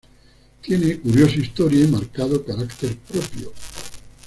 Tiene curiosa historia y marcado carácter propio.